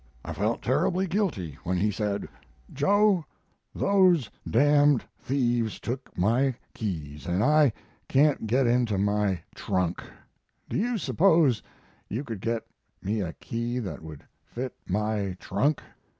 "I felt terribly guilty when he said: "'Joe, those d n thieves took my keys, and I can't get into my trunk. Do you suppose you could get me a key that would fit my trunk?'